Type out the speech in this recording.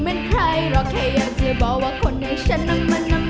ไม่เพียงจะเจอเธอมัน